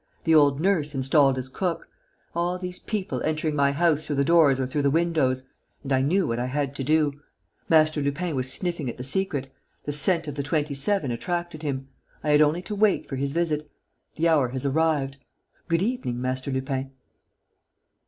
the old nurse installed as cook ... all these people entering my house through the doors or through the windows.... And I knew what I had to do. Master Lupin was sniffing at the secret. The scent of the Twenty seven attracted him. I had only to wait for his visit. The hour has arrived. Good evening, Master Lupin."